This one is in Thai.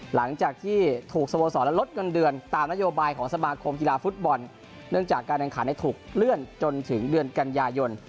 หลังจากที่ถูกสโมสรและลดเงินเดือนตามนโยบายของสมาคมกีฬาฟุตบอลเนื่องจากการแข่งขันถูกเลื่อนจนถึงเดือนกันยายน